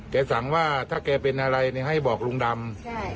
สั่งว่าถ้าแกเป็นอะไรให้บอกลุงดำ